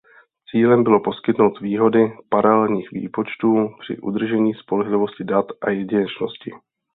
Cílem bylo poskytnout výhody paralelních výpočtů při udržení spolehlivosti dat a jedinečnosti.